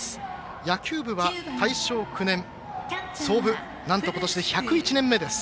野球部は大正９年創部なんと、ことしで１０１年目です。